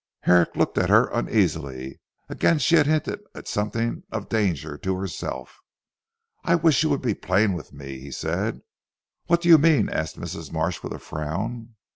Herrick looked at her uneasily. Again she had hinted at something of danger to herself. "I wish you would be plain with me," he said. "What do you mean?" asked Mrs. Marsh with a frown.